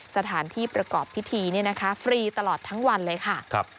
สถานที่ประกอบพิธีฟรีตลอดทั้งวันเลยค่ะ